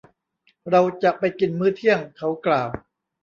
เราจะไปกินมื้อเที่ยง เขากล่าว